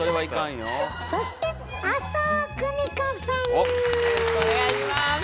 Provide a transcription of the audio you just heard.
よろしくお願いします。